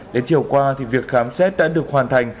đến chiều qua thì việc khám xét đã được hoàn thành